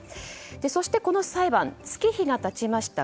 そしてこの裁判月日が経ちました